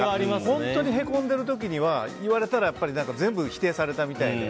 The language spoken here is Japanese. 本当にへこんでる時には言われたら全部否定されたみたいで。